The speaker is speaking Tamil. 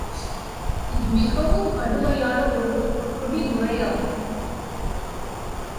இது மிகவும் கடுமையான ஒரு பிடி முறையாகும்.